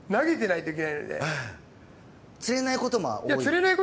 釣れないことも多い？